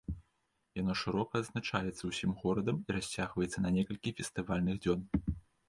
Яно шырока адзначаецца ўсім горадам і расцягваецца на некалькі фестывальных дзён.